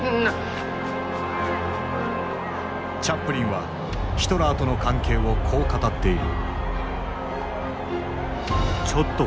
チャップリンはヒトラーとの関係をこう語っている。